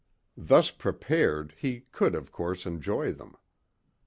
Thus prepared he could of course enjoy them.